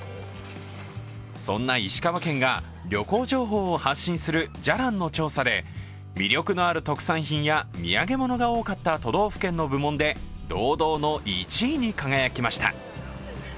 そんな石川県が旅行情報を発信する「じゃらん」の調査で魅力のある特産品や土産物が多かった都道府県の部門で堂々の１位に輝きました。